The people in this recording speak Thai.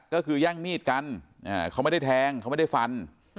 ก็คือแย่งมีดกันเขาไม่ได้แทงเขาไม่ได้ฟัน